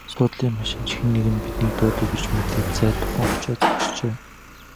Суудлын машин ч хэн нэг нь биднийг дуудав гэж мэдээд зайдуухан очоод зогсжээ.